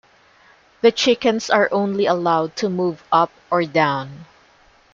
The chickens are only allowed to move up or down.